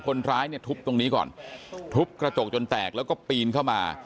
คนร้ายเนี่ยทุบตรงนี้ก่อนทุบกระจกจนแตกแล้วก็ปีนเข้ามา